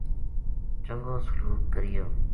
چنگو سلوک کریو